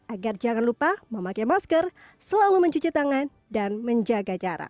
agar jangan lupa memakai masker selalu mencuci tangan dan menjaga jarak